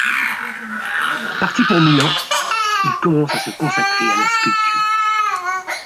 Parti pour Milan, il commence à se consacrer à la sculpture.